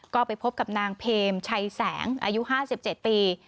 ก็ไปพบกับนางเพรมชัยแสงอายุ๕๗ปี